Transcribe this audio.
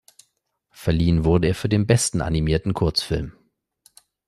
Verliehen wurde er für den besten animierten Kurzfilm.